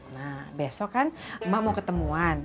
nah besok kan mbak mau ketemuan